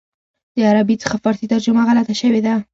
د عربي څخه فارسي ترجمه غلطه شوې ده.